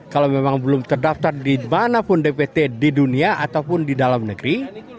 kalau memang belum terdaftar di manapun dpt di dunia ataupun di dalam negeri